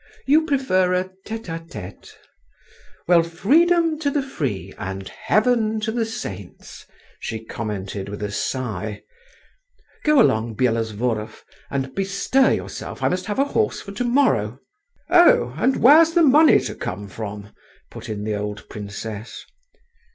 "You prefer a tête à tête?… Well, freedom to the free, and heaven to the saints," she commented with a sigh. "Go along, Byelovzorov, and bestir yourself. I must have a horse for to morrow." "Oh, and where's the money to come from?" put in the old princess.